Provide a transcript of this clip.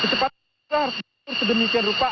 kecepatan mereka harus beratur sedemikian rupa